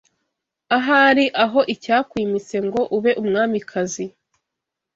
Ahari aho icyakwimitse ngo ube umwamikazi